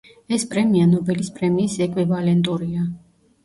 ეს პრემია ნობელის პრემიის ეკვივალენტურია.